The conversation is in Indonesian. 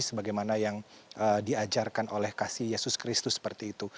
sebagaimana yang diajarkan oleh kasih yesus kristu seperti itu